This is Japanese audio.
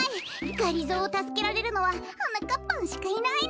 がりぞーをたすけられるのははなかっぱんしかいないの。